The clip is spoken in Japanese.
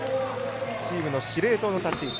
チームの司令塔の立ち位置。